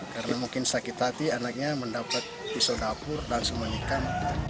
karena mungkin sakit hati anaknya mendapat pisau dapur dan semua ikan